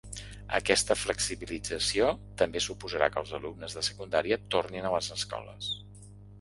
Aquesta flexibilització també suposarà que els alumnes de secundària tornin a les escoles.